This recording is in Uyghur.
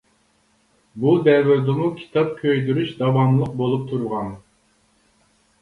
بۇ دەۋردىمۇ كىتاب كۆيدۈرۈش داۋاملىق بولۇپ تۇرغان.